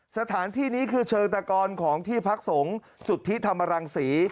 สถานที่นี้คือเชิงตะกรของที่พักสงฆ์สุทธิธรรมรังศรี